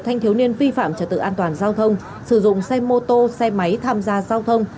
thanh thiếu niên vi phạm trật tự an toàn giao thông sử dụng xe mô tô xe máy tham gia giao thông